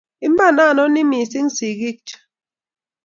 iman ononii misiing sikiik chuu